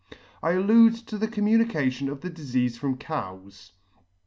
I allude to the commu nication of the difeafe from cows.